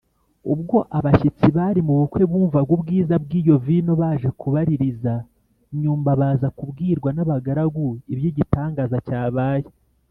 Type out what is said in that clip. Ubwo abashyitsi bari mu bukwe bumvaga ubwiza bw’iyo vino, baje kubaririza nyuma baza kubwirwa n’abagaragu iby’igitangaza cyabaye